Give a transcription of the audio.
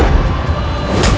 aku mau makan